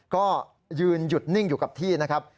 ก็ยืนหยุดนิ่งอยู่กับที่นะครับ